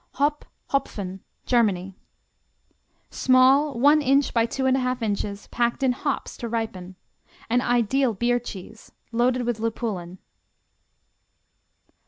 Hop, Hopfen Germany Small, one inch by 2 1/2 inches, packed in hops to ripen. An ideal beer cheese, loaded with lupulin.